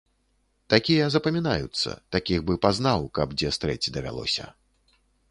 Такія запамінаюцца, такіх бы пазнаў, каб дзе стрэць давялося.